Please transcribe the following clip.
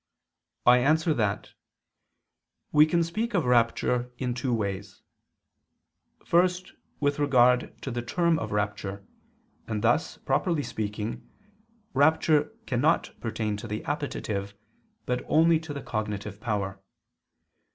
I answer that, We can speak of rapture in two ways. First, with regard to the term of rapture, and thus, properly speaking, rapture cannot pertain to the appetitive, but only to the cognitive power.